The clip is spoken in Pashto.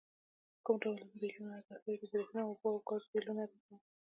کوم ډول بیلونه ادا کوئ؟ د بریښنا، اوبو او ګازو بیلونه ادا کوم